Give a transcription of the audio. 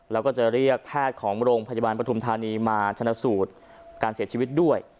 แล้วก็จะเรียกแพทย์ของโรงพยาบาลปฐุมธานีมาชนะสูตรการเสียชีวิตด้วย